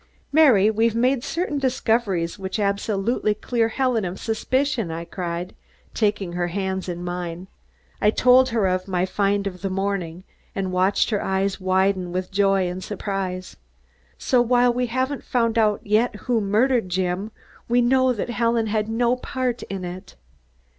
"Mary, we've made certain discoveries which absolutely clear Helen of suspicion," I cried, taking her hands in mine. I told her of my find of the morning, and watched her eyes widen with joy and surprise. "So, while we haven't found out yet who murdered Jim, we know that Helen had no part in it."